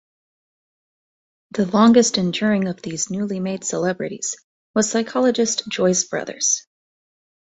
The longest enduring of these newly made celebrities was psychologist Joyce Brothers.